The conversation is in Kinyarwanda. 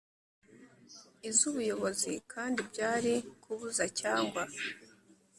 iz ubuyobozi kandi byari kubuza cyangwa